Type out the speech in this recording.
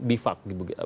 atau ada macam bifak